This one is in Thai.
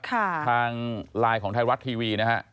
ทางไลน์ของไทยวัดทีวีนะครับ